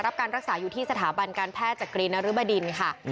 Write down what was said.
รับการรักษาอยู่ที่สถาบันการแพทย์จักรีนรึบดินค่ะ